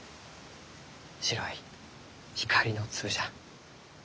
白い光の粒じゃ。